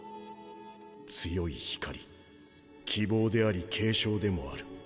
強い光希望であり警鐘でもある。